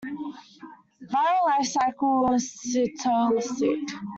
Viral life cycle is cytosolic.